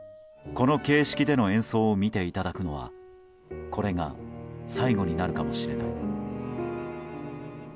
この形式での演奏を見ていただくのはこれが最後になるかもしれない。